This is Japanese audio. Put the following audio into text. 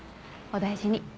お大事に。